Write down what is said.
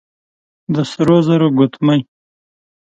د سرو زرو ګوتمۍ،